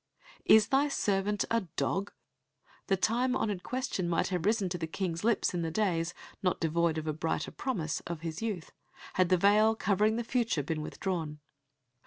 "Is thy servant a dog?" The time honoured question might have risen to the King's lips in the days, not devoid of a brighter promise, of his youth, had the veil covering the future been withdrawn.